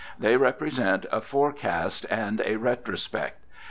They represent a forecast and a retro spect.